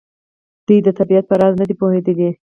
دوی د طبیعت په راز نه دي پوهېدلي.